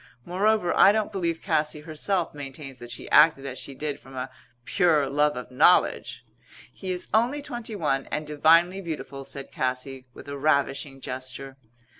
Moreover, I don't believe Cassy herself maintains that she acted as she did from a pure love of knowledge." "He is only twenty one and divinely beautiful," said Cassy, with a ravishing gesture.